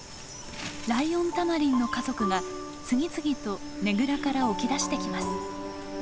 ライオンタマリンの家族が次々とねぐらから起き出してきます。